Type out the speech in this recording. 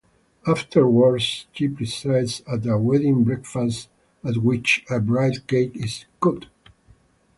Afterwards she presides at a wedding breakfast, at which a bride-cake is cut.